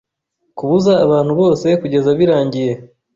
Kubuza abantu bose kugeza birangiye